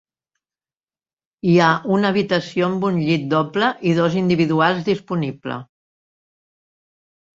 Hi ha una habitació amb un llit doble i dos d'individuals disponible.